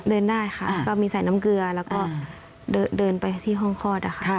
เดินได้ค่ะก็มีใส่น้ำเกลือแล้วก็เดินไปที่ห้องคลอดอะค่ะ